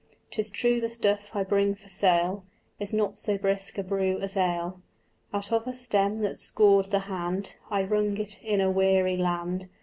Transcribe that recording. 'Tis true the stuff I bring for sale Is not so brisk a brew as ale: Out of a stem that scored the hand I wrung it in a weary land.